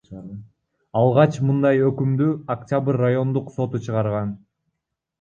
Алгач мындай өкүмдү Октябрь райондук соту чыгарган.